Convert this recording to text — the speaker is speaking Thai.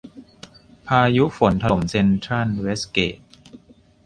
พายุฝนถล่ม เซ็นทรัลเวสเกต